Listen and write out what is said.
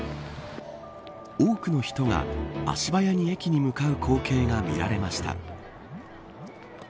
多くの人が足早に駅に向かう光景が見られました。